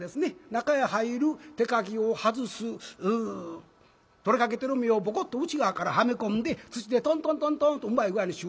中へ入る手かぎを外す取れかけてる目をボコッと内側からはめ込んで槌でトントントントンとうまい具合に修理ができた。